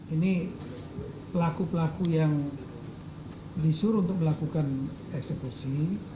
ini pelaku pelaku yang disur untuk melakukan eksekusi